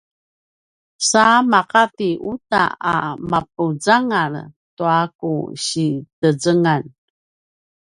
sa maqati uta a mapuzangal tua ku si tezengan